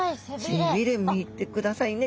背びれ見てくださいね。